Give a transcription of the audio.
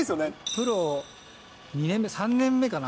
プロ２年目、３年目かな？